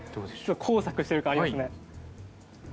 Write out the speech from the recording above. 工作してる感ありますね。